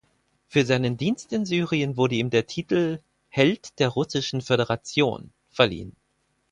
Für seinen Dienst in Syrien wurde ihm der Titel „Held der Russischen Föderation“ verliehen.